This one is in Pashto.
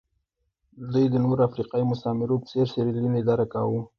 دوی د نورو افریقایي مستعمرو په څېر سیریلیون اداره کاوه.